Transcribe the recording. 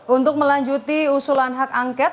untuk melanjuti usulan hak angket